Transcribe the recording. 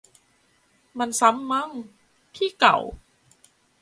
มันซ้ำมั้ง ที่เก่า